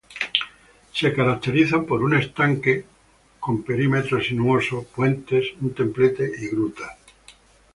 Se caracterizan por un estanque con perímetro sinuoso, puentes, un templete y grutas.